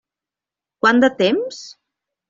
Quant de temps?